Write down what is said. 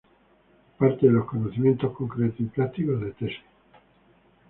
Parte de los conocimientos concretos y prácticos de tesis.